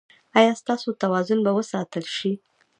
ایا ستاسو توازن به وساتل شي؟